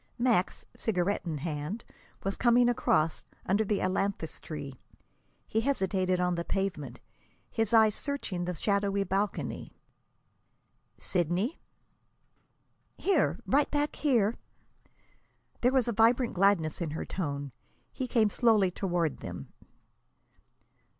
Max, cigarette in hand, was coming across, under the ailanthus tree. He hesitated on the pavement, his eyes searching the shadowy balcony. "Sidney?" "Here! Right back here!" There was vibrant gladness in her tone. He came slowly toward them.